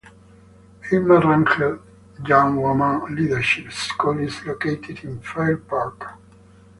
Irma Rangel Young Women's Leadership School is located in Fair Park.